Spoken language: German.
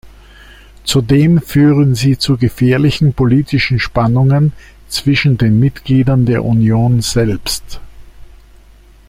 Zudem führen sie zu gefährlichen politischen Spannungen zwischen den Mitgliedern der Union selbst.